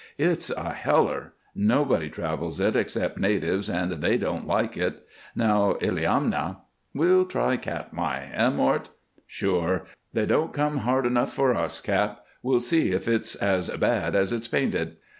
"It's a heller! Nobody travels it except natives, and they don't like it. Now, Illiamna " "We'll try Katmai. Eh, Mort?" "Sure! They don't come hard enough for us, Cap. We'll see if it's as bad as it's painted."